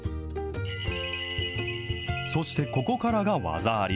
そして、ここからが技あり。